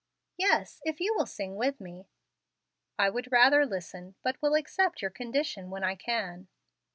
"Yes, if you will sing with me." "I would rather listen, but will accept your condition when I can."